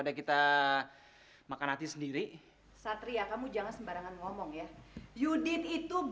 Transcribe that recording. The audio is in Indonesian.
bapak ini gimana sih